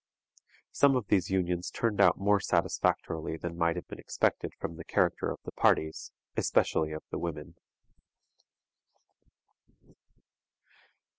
Some of these unions turned out more satisfactorily than might have been expected from the character of the parties, especially of the women.